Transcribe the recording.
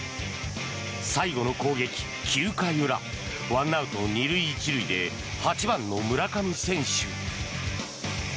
最後の攻撃、９回裏１アウト２塁１塁で８番の村上選手。